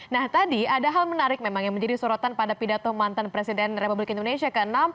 nah tadi ada hal menarik memang yang menjadi sorotan pada pidato mantan presiden republik indonesia ke enam